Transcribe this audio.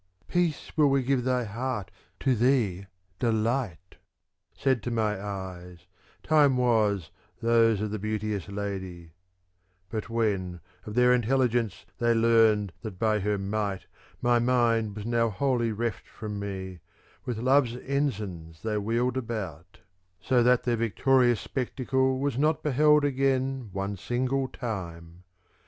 II ' Peace will we give thy heart, to thee delight,' said to my eyes, time was, those of the beauteous lady ; But when, of their intelligence, they learned that by her might my mind was now wholly reft from me, With love's ensigns they wheeled about, So that their victorious spectacle was not beheld again one single time.